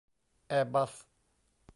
แอร์บัส